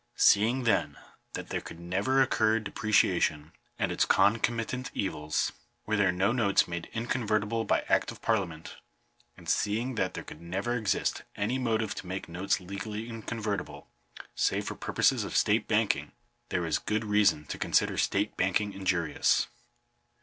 Seeing, then, that there could never occur depre ciation, and its concomitant evils, were there no notes made inconvertible by act of parliament — and seeing that there could never exist any motive to make notes legally incon vertible, save for purposes of state banking— there is good reason to consider state banking injurious.